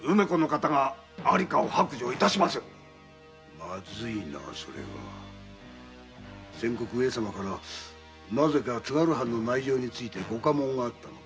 まずいなそれは先刻上様からなぜか津軽藩の内情についてご下問があったのだ。